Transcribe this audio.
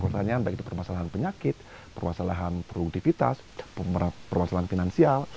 keuatannya baik itu permasalahan penyakit permasalahan produktivitas permasalahan finansial